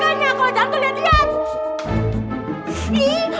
makanya kalo jalan tuh liat liat